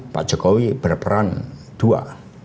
pak jokowi berperan dua